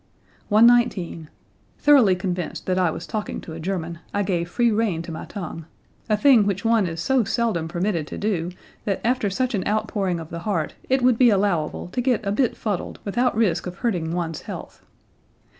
119. "Thoroughly convinced that I was talking to a German, I gave free rein to my tongue, a thing which one is so seldom permitted to do that after such an outpouring of the heart it would be allowable to get a bit fuddled without risk of hurting one's health."